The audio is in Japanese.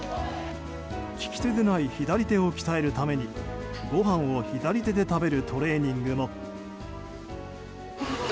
利き手でない左手を鍛えるためにご飯を左手で食べるトレーニングも。